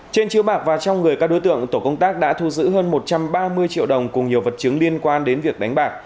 trên chiếu bạc và trong người các đối tượng tổ công tác đã thu giữ hơn một trăm ba mươi triệu đồng cùng nhiều vật chứng liên quan đến việc đánh bạc